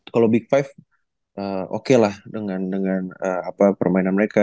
kalau big five oke lah dengan permainan mereka